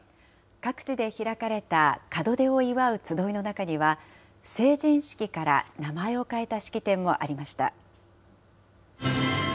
各地で開かれた門出を祝う集いの中には、成人式から名前を変えた式典もありました。